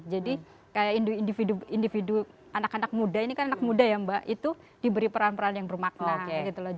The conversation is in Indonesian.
jadi kayak individu individu anak anak muda ini kan anak muda ya mbak itu diberi peran peran yang bermakna gitu loh